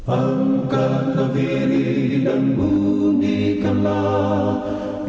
angkatlah diri dan bunyikanlah